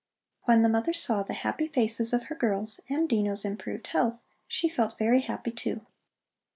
When the mother saw the happy faces of her girls and Dino's improved health, she felt very happy, too.